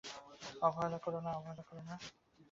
অবহেলা কোরো না।